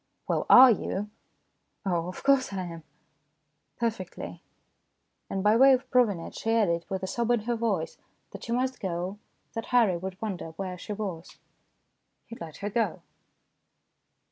"Well, are you?" " Oh, of course I am. Perfectly." And by way of proving it she added, with a sob in her voice, that she must go, that Harry would wonder where she was. He let her go.